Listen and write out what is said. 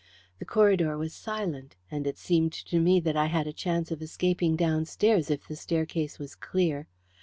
The corridor was silent, and it seemed to me that I had a chance of escaping downstairs if the staircase was clear.